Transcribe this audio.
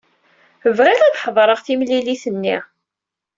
Bɣiɣ ad ḥedṛeɣ timlilit-nni.